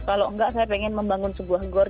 kalau enggak saya pengen membangun sebuah gor